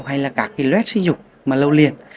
hay là các loét sinh dục mà lâu liền